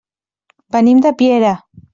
Venim de Piera.